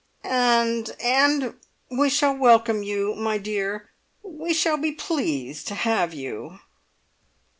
"And and we shall welcome you, my dear! We shall be p pleased to have you!"